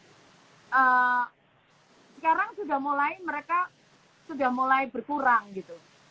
sekarang sudah mulai mereka sudah mulai berkurang gitu